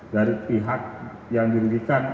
dari pihak yang dirilikan